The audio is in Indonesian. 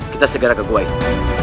kita segera ke gua itu